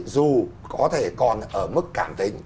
dù có thể còn ở mức cảm tình